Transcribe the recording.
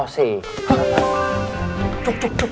cuk cuk cuk